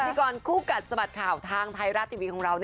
กรคู่กัดสะบัดข่าวทางไทยรัฐทีวีของเรา